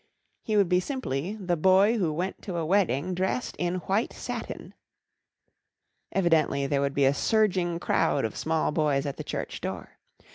He would simply be the Boy Who Went to a Wedding Dressed in White Satin. Evidently there would be a surging crowd of small boys at the church door.